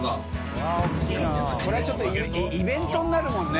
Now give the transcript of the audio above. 海譴ちょっとイベントになるもんね。